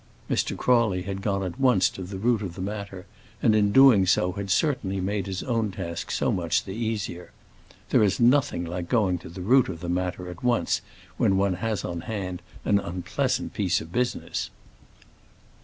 Mr. Crawley had gone at once to the root of the matter, and in doing so had certainly made his own task so much the easier. There is nothing like going to the root of the matter at once when one has on hand an unpleasant piece of business.